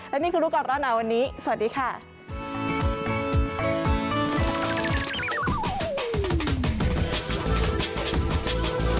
และนี่คือลูกรอบตอนนั้นวันนี้สวัสดีค่ะ